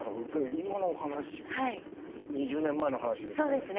今のお話２０年前の話ですよね。